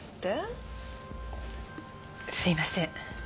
すいません。